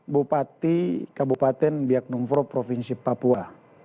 bupati kabupaten biakdumfor provinsi papua